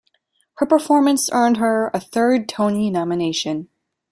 Her performance earned her a third Tony nomination.